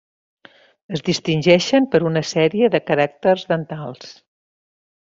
Es distingeixen per una sèrie de caràcters dentals.